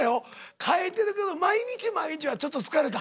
変えてるけど毎日毎日はちょっと疲れた。